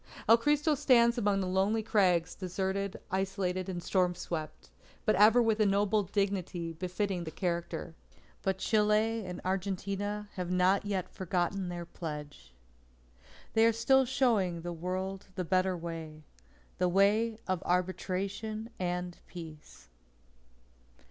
"El Cristo stands among the lonely crags deserted, isolated, and storm swept; but ever with a noble dignity befitting the character." But Chile and Argentina have not yet forgotten their pledge. They are still showing the World the Better Way the way of Arbitration and Peace.